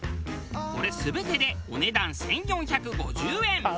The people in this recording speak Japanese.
これ全てでお値段１４５０円。